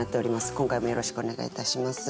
今回もよろしくお願いいたします。